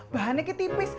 bahannya itu tipis